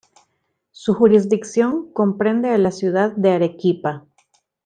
Su jurisdicción comprende a la ciudad de Arequipa.